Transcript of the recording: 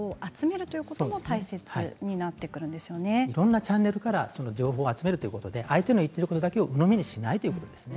いろいろなチャンネルから情報を集めるということで相手の言っていることをうのみしないということですね。